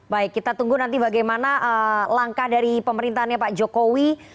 baik kita tunggu nanti bagaimana langkah dari pemerintahnya pak jokowi